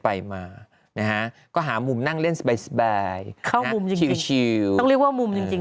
ไปมานะฮะก็หามุมนั่งเล่นสบายเข้ามุมชิวต้องเรียกว่ามุมจริงจริง